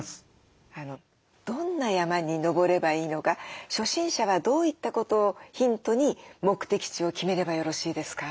どんな山に登ればいいのか初心者はどういったことをヒントに目的地を決めればよろしいですか？